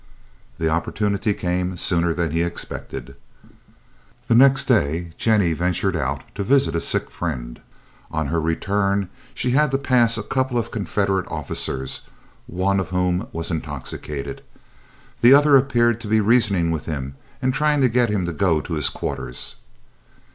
The opportunity came sooner than he expected. The next day Jennie ventured out to visit a sick friend. On her return she had to pass a couple of Confederate officers, one of whom was intoxicated. The other appeared to be reasoning with him, and trying to get him to go to his quarters.